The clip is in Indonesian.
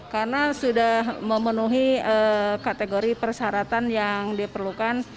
karena sudah memenuhi kategori persyaratan yang diperlukan